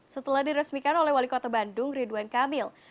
setelah diresmikan oleh wali kota bandung ridwan kamil